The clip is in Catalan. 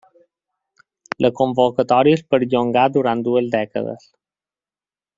La convocatòria es perllongà durant dues dècades.